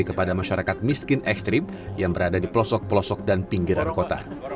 kepada masyarakat miskin ekstrim yang berada di pelosok pelosok dan pinggiran kota